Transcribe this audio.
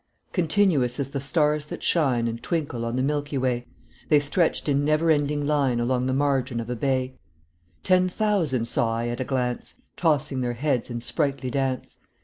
Continuous as the stars that shine And twinkle on the milky way, The stretched in never ending line Along the margin of a bay: Ten thousand saw I at a glance, Tossing their heads in sprightly dance.